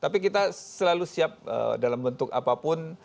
tapi kita selalu siap dalam bentuk apapun